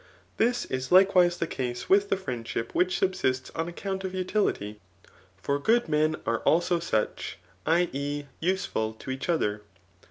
Thi^ is likewise the case with the friendship which subsists on account of utility ; for good men are also such [i. e. use ful3 to each other.